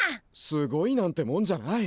すごいなんてもんじゃない。